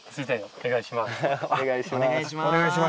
お願いします。